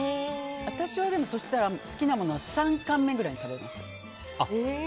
私はそしたら好きなものは３貫目ぐらいに食べます。